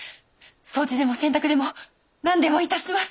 掃除でも洗濯でも何でも致します。